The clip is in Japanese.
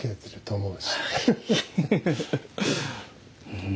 うん。